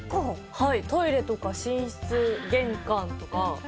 トイレとか、寝室、玄関とか。